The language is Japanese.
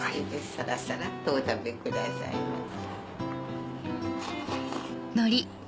サラサラっとお食べくださいませ。